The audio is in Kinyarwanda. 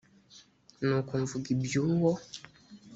nuko mvuga iby uwo